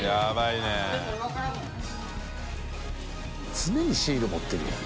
常にシール持ってるやん。